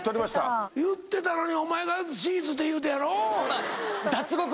言ってたのにお前がシーツって言うてんやろ？